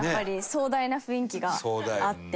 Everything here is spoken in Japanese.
壮大な雰囲気があって。